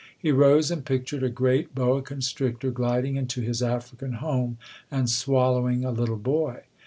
He rose and pictured a great boa constrictor gliding into his African home and swallowing a little boy.